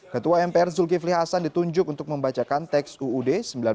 ketua mpr zulkifli hasan ditunjuk untuk membacakan teks uud seribu sembilan ratus empat puluh lima